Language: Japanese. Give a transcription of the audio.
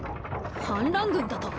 反乱軍だと？